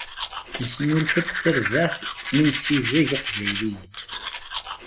Nesnulfa-d tarbaεt n imsidag iqbayliyen.